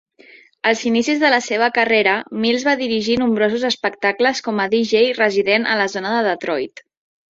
Als inicis de la seva carrera, Mills va dirigir nombrosos espectacles com a DJ resident a la zona de Detroit.